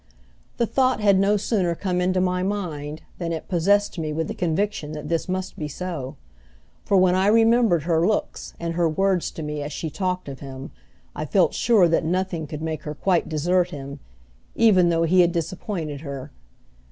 The thought had no sooner come into my mind than it possessed me with the conviction that this must be so. For when I remembered her looks and her words to me as she talked of him I felt sure that nothing could make her quite desert him, even though he had disappointed her.